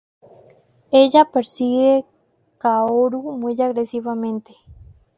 Ella persigue Kaoru muy agresivamente.